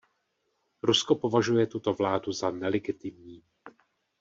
Rusko považuje tuto vládu za nelegitimní.